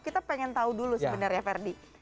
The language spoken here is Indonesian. kita pengen tahu dulu sebenarnya ferdi